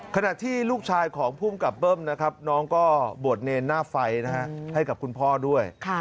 ขณะที่ลูกชายของภูมิกับเบิ้มนะครับน้องก็บวชเนรหน้าไฟให้กับคุณพ่อด้วย